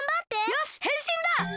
よしへんしんだ！